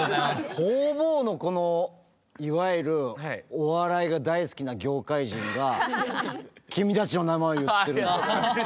方々のこのいわゆるお笑いが大好きな業界人が君たちの名前を言ってるんだよ。